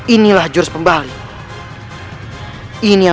inikah jurus pembalik itu